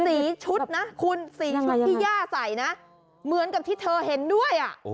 สีชุดนะคุณสีชุดที่ย่าใส่นะเหมือนกับที่เธอเห็นด้วย